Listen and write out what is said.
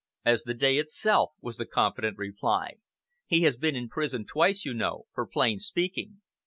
"As the day itself," was the confident reply. "He has been in prison twice, you know, for plain speaking.